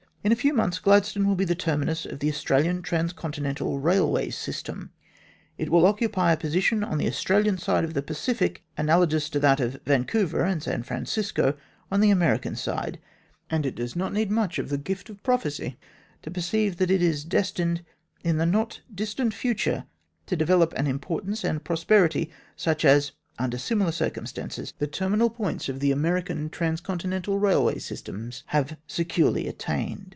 In a few months Gladstone will be the terminus of the Australian transcontinental railway system. It will occupy a position on the Australian side of the Pacific analogous to that of Vancouver and San Francisco on the American side, and it does not need much of the gift of prophecy to perceive that it is destined in the not distant future to develop an importance and prosperity such as, under similar circum stances, the terminal ports of the American transcontinental railway systems have securely attained.